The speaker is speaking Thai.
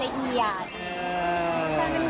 สุดท้ายสุดท้าย